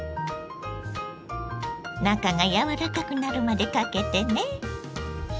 中がやわらかくなるまでかけてね。